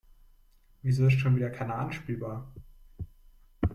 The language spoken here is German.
Wieso ist schon wieder keiner anspielbar?